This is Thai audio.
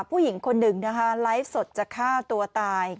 ผู้หญิงคนหนึ่งนะคะไลฟ์สดจะฆ่าตัวตาย